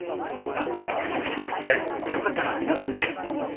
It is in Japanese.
あっあのこれよかったら皆さんで。